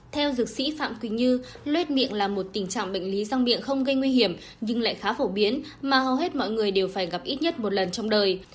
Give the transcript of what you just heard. theo dược sĩ phạm quỳnh như lét miệng là một tình trạng bệnh lý răng miệng không gây nguy hiểm nhưng lại khá phổ biến mà hầu hết mọi người đều phải gặp ít nhất một lần trong đời